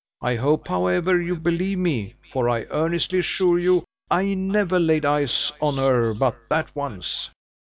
I hope, however, you believe me; for I earnestly assure you, I never laid eyes on her but that once."